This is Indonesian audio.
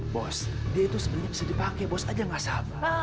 bos dia itu sebenarnya masih dipakai bos aja nggak sabar